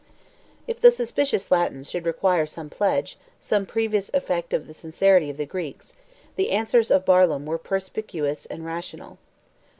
If the suspicious Latins should require some pledge, some previous effect of the sincerity of the Greeks, the answers of Barlaam were perspicuous and rational.